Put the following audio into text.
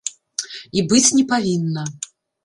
І быць не павінна.